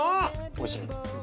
おいしい？